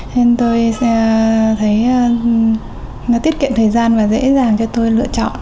nên tôi sẽ thấy nó tiết kiệm thời gian và dễ dàng cho tôi lựa chọn